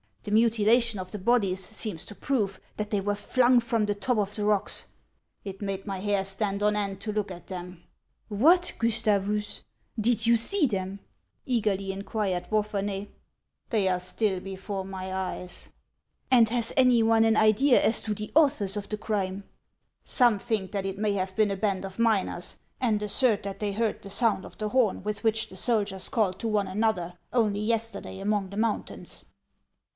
The mutilation of the bodies seems to prove that they were flung from the top of the rocks. It made my hair stand on end to look at them." " What, Gustavus ! did you see them ?" eagerly inquired Wapherney. " They are still before my eyes." HANS OF ICELAND. 187 " And has any one an idea as to the authors of the crime ?"" Some think that it may have been a band of miners, and assert that they heard the sound of the horn with which the soldiers call to one another, only yesterday among the mountains."